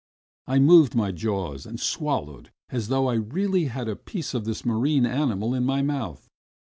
I moved my jaws and swallowed as though I really had a piece of this marine animal in my mouth